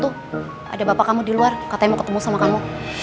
tuh ada bapak kamu di luar katanya mau ketemu sama kamu